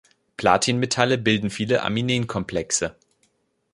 Platinmetalle bilden viele Aminenkomplexe.